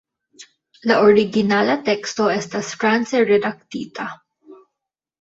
La originala teksto estas france redaktita.